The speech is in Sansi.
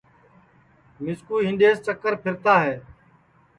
مِسکُو ہِنڈؔیس چکر پھرتا ہے